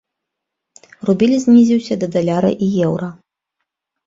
Рубель знізіўся да даляра і еўра.